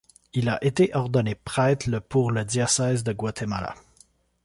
Il a été ordonné prêtre le pour le diocèse de Guatemala.